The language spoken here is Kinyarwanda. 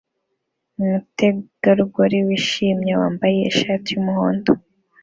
Umutegarugori wishimye wambaye ishati yumuhondo